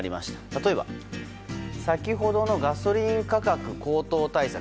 例えば、先ほどのガソリン価格高騰対策。